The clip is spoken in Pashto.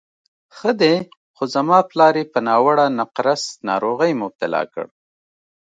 ښه دی، خو زما پلار یې په ناوړه نقرس ناروغۍ مبتلا کړ.